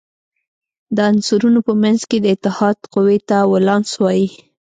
د عنصرونو په منځ کې د اتحاد قوې ته ولانس وايي.